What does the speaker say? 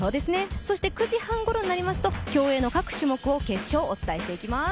そして９時半ごろになりますと競泳各種目の決勝をお伝えしていきます。